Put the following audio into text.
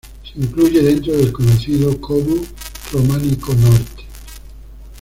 Se incluye dentro del conocido como 'Románico Norte'.